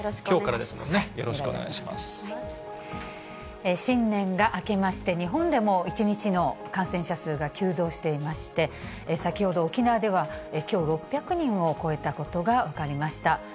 きょうからですもんね、新年が明けまして、日本でも１日の感染者数が急増していまして、先ほど沖縄では、きょう、６００人を超えたことが分かりました。